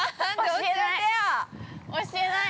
◆教えない！